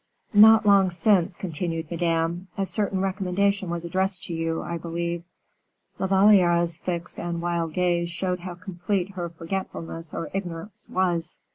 "Not long since," continued Madame, "a certain recommendation was addressed to you, I believe." La Valliere's fixed and wild gaze showed how complete her forgetfulness or ignorance was.